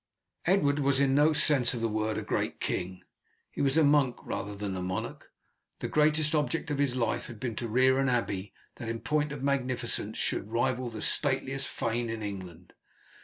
Edward was in no sense of the word a great king. He was a monk rather than a monarch. The greatest object of his life had been to rear an abbey that in point of magnificence should rival the stateliest fane in England.